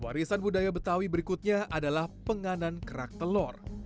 warisan budaya betawi berikutnya adalah penganan kerak telur